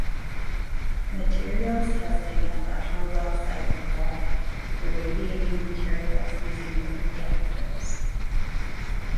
Materials testing at the Harwell site involved irradiating materials using the reactors.